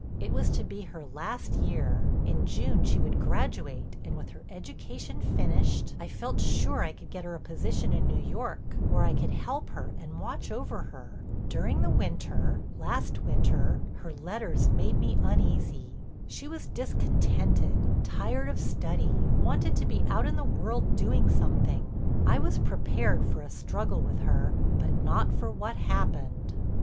It was to be her last year; in June she would graduate and with her education finished, I felt sure I could get her a position in New York where I could help her and watch over her. During the winter—last winter—her letters made me uneasy. She was discontented, tired of study, wanted to be out in the world doing something. I was prepared for a struggle with her, but not for what happened.